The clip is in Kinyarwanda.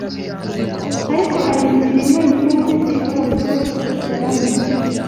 Ariko hari inzira imwe rukumbi dushobora kurokokeramo